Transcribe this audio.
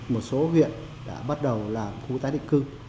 một số huyện đã bắt đầu làm khu tái định cư